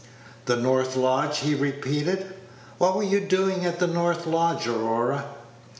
"The north lodge!" he repeated; "what were you doing at the north lodge, Aurora?"